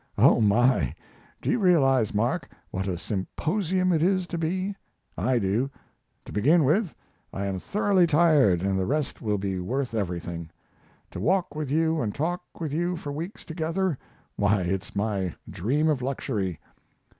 Oh, my! do you realize, Mark, what a symposium it is to be? I do. To begin with, I am thoroughly tired and the rest will be worth everything. To walk with you and talk with you for weeks together why, it's my dream of luxury.